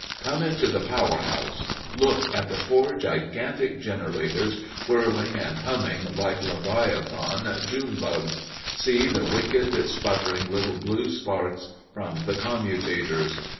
Come into the power house. Look at the four gigantic generators, whirling and humming like leviathan June bugs see the wicked, sputtering little blue sparks from the commutators.